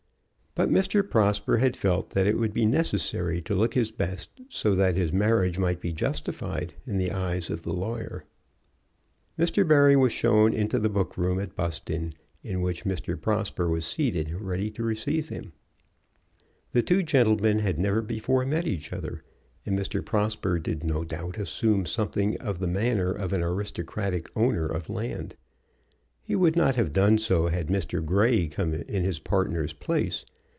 But Mr. Prosper had felt that it would be necessary to look his best, so that his marriage might be justified in the eyes of the lawyer. Mr. Barry was shown into the book room at Buston, in which Mr. Prosper was seated ready to receive him. The two gentlemen had never before met each other, and Mr. Prosper did no doubt assume something of the manner of an aristocratic owner of land. He would not have done so had Mr. Grey come in his partner's place.